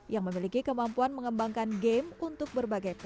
yang memiliki kemampuan mengembangkan game untuk berbagai produk